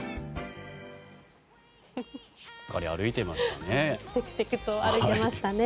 しっかり歩いてましたね。